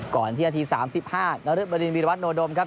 ก่อนที่นาที๓๕นรึบดินวิรวัตโนดมครับ